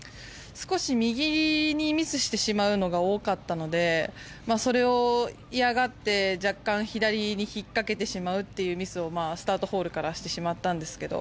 少し右にミスしてしまうのが多かったので、それを嫌がって若干、左に引っ掛けてしまうというミスをスタートホールからしてしまったんですけど。